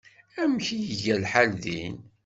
Amek ay iga lḥal din?